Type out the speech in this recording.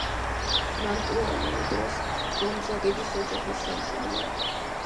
მანტუა ამავე დროს გონძაგების ოჯახის სამშობლოა.